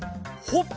ほっ！